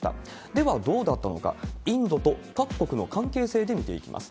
では、どうだったのか、インドと各国の関係性で見ていきます。